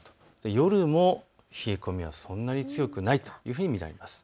夜も冷え込みはそんなに強くないと見られます。